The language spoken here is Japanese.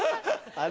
あれ？